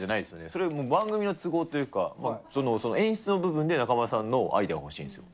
それはもう番組の都合というか、その演出の部分で、中丸さんのアイデアが欲しいんですよ。